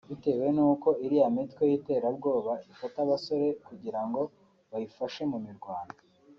bitewe n’uko iriya mitwe y’iterabwoba ifata abasore kugira ngo bayifashe mu mirwano